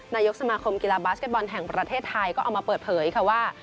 นายกสมาคมกีฬาบาสเก็ตบอลแห่งประเทศไทยก็เอามาเปิดเผยค่ะว่า